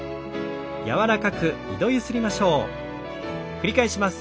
繰り返します。